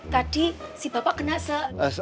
tadi si bapak kena se